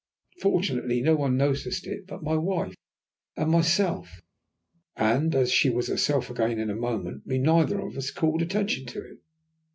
Fortunately no one noticed it but my wife and myself, and as she was herself again in a moment, we neither of us called attention to it.